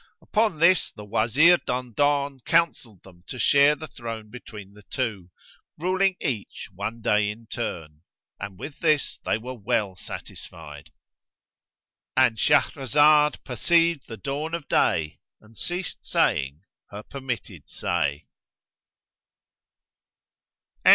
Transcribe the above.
Upon this the Wazir Dandan counselled them to share the throne between the two, ruling each one day in turn; and with this they were well satisfied.—And Shahrazad perceived the dawn of day and ceased saying her permitted say.